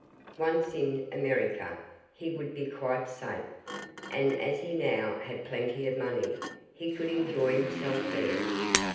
Once in America and he would be quite safe, and as he now had plenty of money he could enjoy himself there.